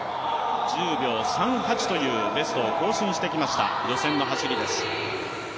１０秒３８というベストを更新してきました予選の走りです。